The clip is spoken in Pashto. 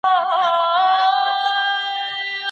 حره ښځه ولي له خپلو تيو څخه خوراک نه کوي؟